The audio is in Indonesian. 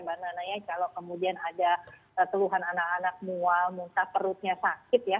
bagaimana kalau kemudian ada teluhan anak anak mual muntah perutnya sakit ya